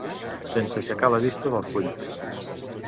Sense aixecar la vista del full.